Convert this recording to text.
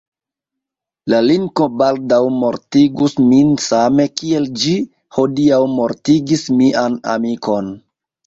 La linko baldaŭ mortigus min same kiel ĝi hodiaŭ mortigis mian amikon.